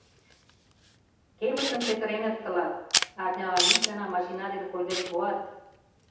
Кевытым петыреныт тылат, арнялан ик гана машина дене конден пуат.